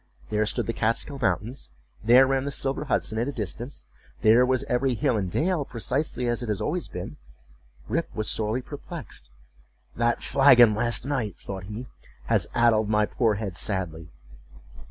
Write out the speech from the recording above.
There stood the Kaatskill mountains—there ran the silver Hudson at a distance—there was every hill and dale precisely as it had always been—Rip was sorely perplexed—"That flagon last night," thought he, "has addled my poor head sadly!"